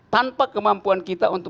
tanpa kemampuan kita untuk